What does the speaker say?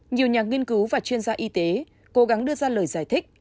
nhiều nhà nghiên cứu và chuyên gia y tế cố gắng đưa ra lời giải thích